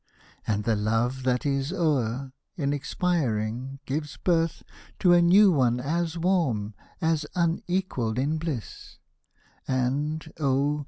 And the love that is o'er, in expiring, gives birth To a new one as warm, as unequalled in bliss ; And, oh